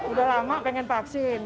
udah lama pengen vaksin